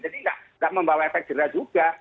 jadi enggak membawa efek deras juga